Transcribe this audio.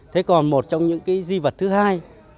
thế còn một trong những cái di vật thứ hai